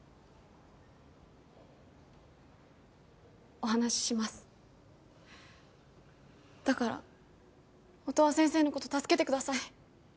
お話ししますだから音羽先生のこと助けてください